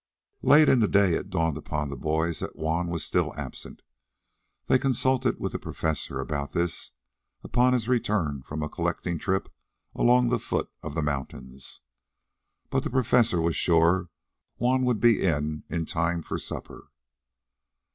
Late in the day, it dawned upon the boys that Juan was still absent. They consulted with the Professor about this, upon his return from a collecting trip along the foot of the mountains. But the Professor was sure Juan would be in in time for supper.